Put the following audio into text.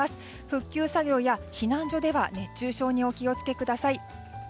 復旧作業や避難所では熱中症にお気を付けください。